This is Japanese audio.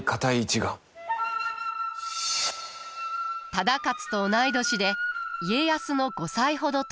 忠勝と同い年で家康の５歳ほど年下。